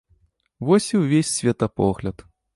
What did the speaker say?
Вось і ўвесь светапогляд.